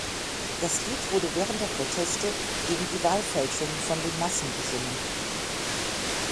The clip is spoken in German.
Das Lied wurde während der Proteste gegen die Wahlfälschungen von den Massen gesungen.